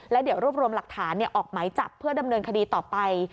แล้วเดี๋ยวรวบรวมหลักฐานออกหมายจับเพื่อดำเนินคดีต่อไป